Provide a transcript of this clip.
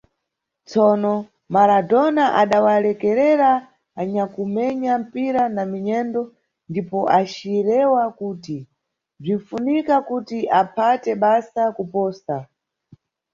Tsono, Maradona, adawalekerera anyakumenya mpira na minyendo, ndipo acirewa kuti bzwinfunika kuti aphate basa kuposa.